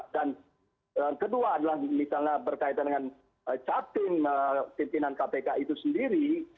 dan kedua adalah misalnya berkaitan dengan charting intinar kpk itu sendiri